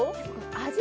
味